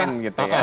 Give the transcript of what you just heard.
ten gitu ya